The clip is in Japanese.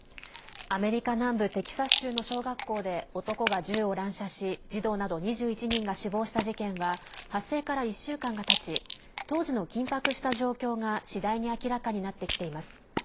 アメリカ南部テキサス州の小学校で男が銃を乱射し児童など２１人が死亡した事件は発生から１週間がたち当時の緊迫した状況が次第に明らかになってきています。